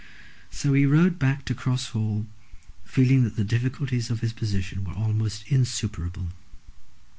So he rode back to Cross Hall, feeling that the difficulties of his position were almost insuperable.